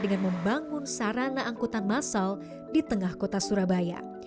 dengan membangun sarana angkutan masal di tengah kota surabaya